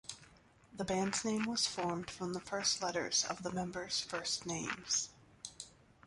The band's name was formed from the first letters of the members' first names.